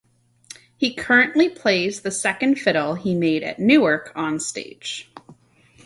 He currently plays the second fiddle he made at Newark on stage.